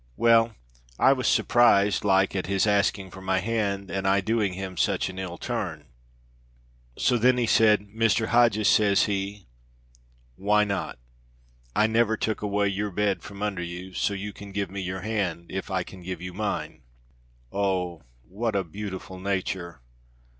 Well, I was surprised like at his asking for my hand, and I doing him such an ill turn. So then he said, 'Mr. Hodges,' says he, 'why not? I never took away your bed from under you, so you can give me your hand, if I can give you mine.'" "Oh! what a beautiful nature!